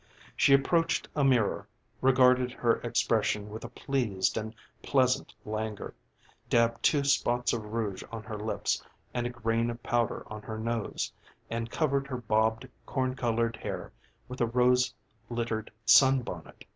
She approached a mirror, regarded her expression with a pleased and pleasant languor, dabbed two spots of rouge on her lips and a grain of powder on her nose, and covered her bobbed corn colored hair with a rose littered sunbonnet.